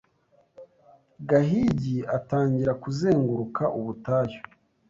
Gahigi atangira kuzenguruka ubutayu